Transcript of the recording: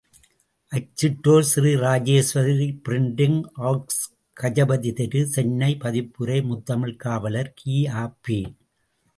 அச்சிட்டோர் Shri Rajeshwari printing works, Gajapati தெரு, சென்னை பதிப்புரை முத்தமிழ்க் காவலர் கி.ஆ.பெ.